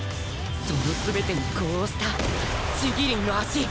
その全てに呼応したちぎりんの足！